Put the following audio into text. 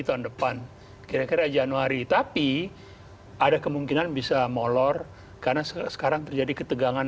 tahun depan kira kira januari tapi ada kemungkinan bisa molor karena sekarang terjadi ketegangan